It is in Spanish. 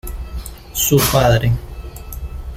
Su padre.